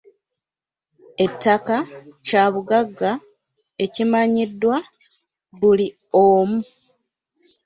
Ettaka kyabugagga ekimanyiddwa buli omu.